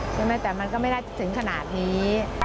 ใช่ไหมแต่มันก็ไม่ได้ถึงขนาดนี้